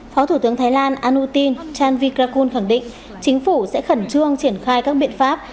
phó thủ tướng thái lan anu tin chanvi krakul khẳng định chính phủ sẽ khẩn trương triển khai các biện pháp